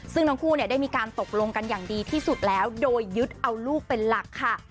ซึ่งทั้งคู่เนี่ยได้มีการตกลงกันอย่างดีที่สุดแล้วโดยยึดเอาลูกเป็นหลักค่ะ